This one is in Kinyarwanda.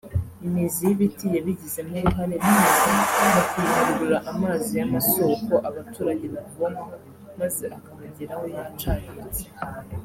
Imizi y’ibiti yabigizemo uruhare binyuze mu kuyungurura amazi y’amasoko abaturage bavomaho maze akabageraho yacayutse